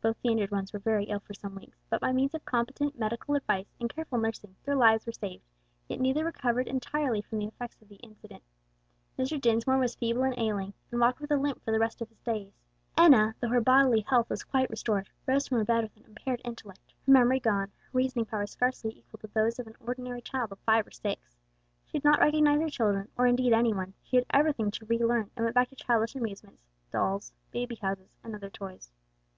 Both the injured ones were very ill for some weeks, but by means of competent medical advice and careful nursing, their lives were saved; yet neither recovered entirely from the effects of the accident. Mr. Dinsmore was feeble and ailing, and walked with a limp for the rest of his days, and Enna, though her bodily health was quite restored, rose from her bed with an impaired intellect, her memory gone, her reasoning powers scarcely equal to those of an ordinary child of five or six. She did not recognize her children, or indeed any one; she had everything to relearn and went back to childish amusements, dolls, baby houses and other toys.